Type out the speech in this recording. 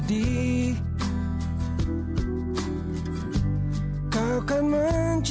pergawasan di indonesia dua